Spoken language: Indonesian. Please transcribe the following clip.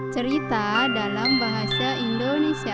cerita dalam bahasa indonesia